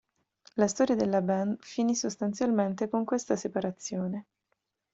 La storia della band finì sostanzialmente con questa separazione.